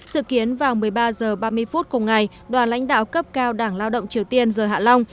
dự kiến vào một mươi ba h ba mươi phút cùng ngày đoàn lãnh đạo cấp cao đảng lao động triều tiên rời hạ long